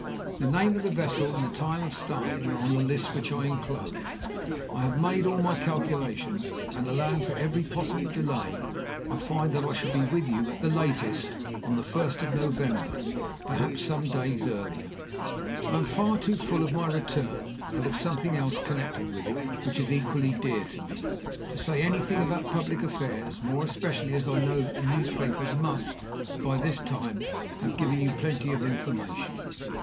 The name of the vessel and the time of starting are on the list which I inclose. I have made all my calculations, and, allowing for every possible delay, I find that I shall be with you, at the latest, on the first of November perhaps some days earlier. "I am far too full of my return, and of something else connected with it which is equally dear to me, to say anything about public affairs, more especially as I know that the newspapers must, by this time, have given you plenty of information.